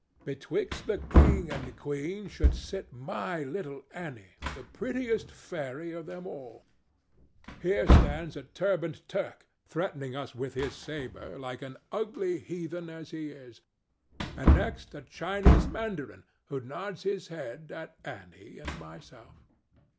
Betwixt the king and queen should sit my little Annie, the prettiest fairy of them all. Here stands a turbaned Turk threatening us with his sabre, like an ugly heathen as he is, and next a Chinese mandarin who nods his head at Annie and myself.